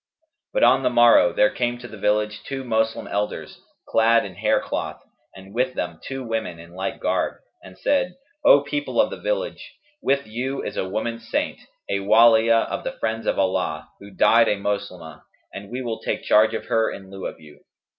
But, on the morrow, there came to the village two Moslem elders, clad in hair cloth, and with them two women in like garb, and said, 'O people of the village, with you is a woman Saint, a Waliyah of the friends of Allah, who died a Moslemah; and we will take charge of her in lieu of you.'